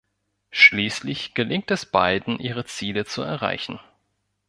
Schließlich gelingt es beiden, ihre Ziele zu erreichen.